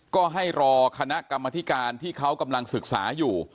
ก็ให้รอคณะกรรมธิการที่เขากำลังศึกษาอยู่